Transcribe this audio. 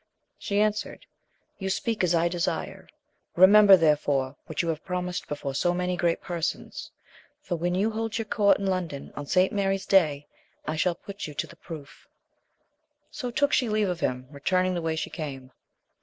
She answered. You speak as I desire ; remember, therefore, what you have promised before so many great persons, for when you hold your court in Lon don, on St. Mary's day, I shall put you to the proof. So took she leave of him, returning the way she came.